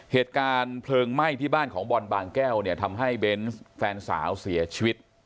เหตุการณ์เพลิงไหม้ที่บ้านของบอลบางแก้วเนี่ยทำให้เบนส์แฟนสาวเสียชีวิต